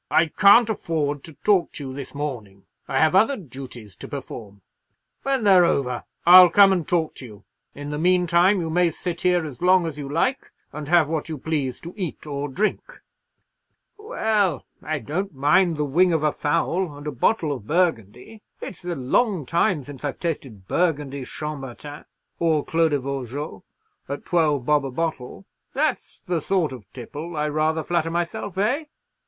"I can't afford to talk to you this morning; I have other duties to perform: When they're over, I'll come and talk to you. In the meantime, you may sit here as long as you like, and have what you please to eat or drink." "Well, I don't mind the wing of a fowl, and a bottle of Burgundy. It's a long time since I've tasted Burgundy. Chambertin, or Clos de Vougeot, at twelve bob a bottle—that's the sort of tipple, I rather flatter myself—eh?"